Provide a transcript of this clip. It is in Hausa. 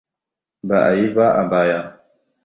Ba'a yi ba a baya.